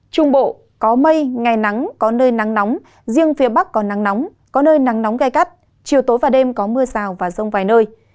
trung bộ có mây ngày nắng có nơi nắng nóng riêng phía bắc có nắng nóng có nơi nắng nóng gai gắt chiều tối và đêm có mưa rào và rông vài nơi